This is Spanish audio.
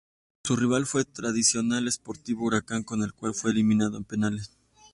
Su rival fue el tradicional Sportivo Huracán con el cual fue eliminado en Penales.